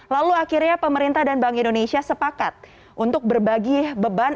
lalu akhirnya pemerintah dan bank indonesia sepakat untuk berbagi beban